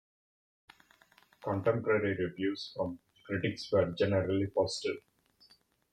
Contemporary reviews from critics were generally positive.